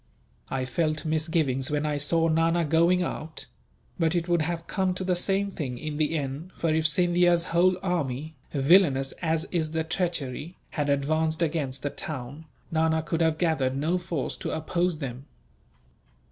"I felt misgivings when I saw Nana going out; but it would have come to the same thing, in the end, for if Scindia's whole army, villainous as is the treachery, had advanced against the town, Nana could have gathered no force to oppose them."